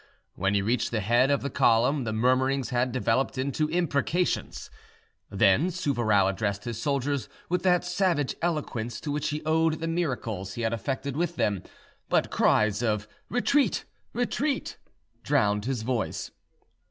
When he reached the head of the column, the murmurings had developed into imprecations. Then Souvarow addressed his soldiers with that savage eloquence to which he owed the miracles he had effected with them, but cries of "Retreat! Retreat!" drowned his voice.